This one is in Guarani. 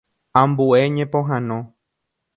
Ambue ñepohãno.